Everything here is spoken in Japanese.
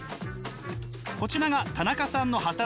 こちらが田中さんの働くお店。